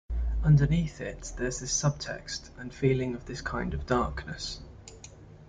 Underneath it, there's this subtext and feeling of this kind of darkness.